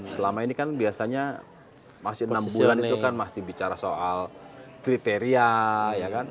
selama ini kan biasanya masih enam bulan itu kan masih bicara soal kriteria ya kan